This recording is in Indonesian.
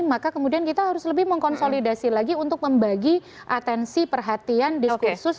maka kemudian kita harus lebih mengkonsolidasi lagi untuk membagi atensi perhatian diskursus